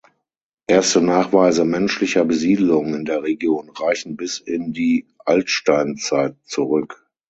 Erste Nachweise menschlicher Besiedelung in der Region reichen bis in die Altsteinzeit zurück.